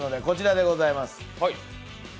こちらでございます。